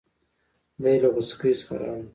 دی له غوڅکۍ څخه رالی.